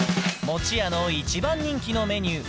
發漸阿一番人気のメニュー磴